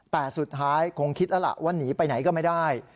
แต่สุดท้ายคงคิดแล้วล่ะว่าหนีไปไหนก็ไม่ได้